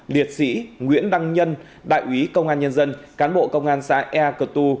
liệt sĩ nguyễn đăng nhân đại úy công an nhân dân cán bộ công an xã ea cơ tu